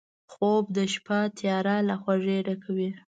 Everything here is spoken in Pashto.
خوب د شپه تیاره له خوږۍ ډکوي